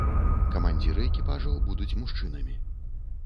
Камандзіры экіпажаў будуць мужчынамі.